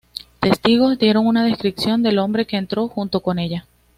Testigos dieron una descripción del hombre que entró junto con ella.